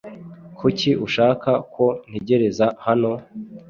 Kuki ushaka ko ntegereza hano?